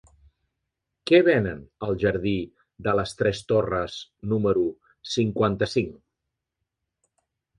Què venen al jardí de les Tres Torres número cinquanta-cinc?